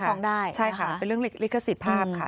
ใช่ค่ะใช่ค่ะเป็นเรื่องลิขสิทธิ์ภาพค่ะ